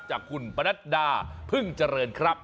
จากคุณปนัดดาพึ่งเจริญครับ